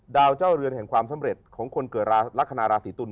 เจ้าเรือนแห่งความสำเร็จของคนเกิดลักษณะราศีตุล